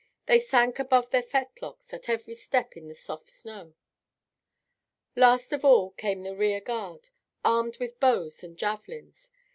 They sank above the fetlocks at every step in the soft snow. Last of all came the rear guard, armed with bows and javelins.